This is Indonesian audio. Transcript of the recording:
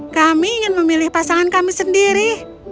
kami ingin memilih pasangan kami sendiri